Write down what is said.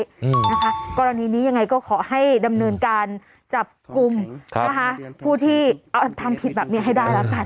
อืมนะคะกรณีนี้ยังไงก็ขอให้ดำเนินการจับกลุ่มค่ะนะคะผู้ที่ทำผิดแบบนี้ให้ได้แล้วกัน